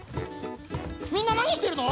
みんななにしてるの？